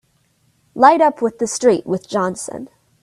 Light up with the street with Johnson!